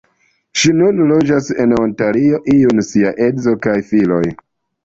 Ŝi nune loĝas en Ontario lun sia edzo kaj filoj.